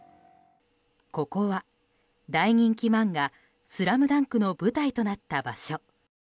ここは大人気漫画「ＳＬＡＭＤＵＮＫ」の舞台となった場所。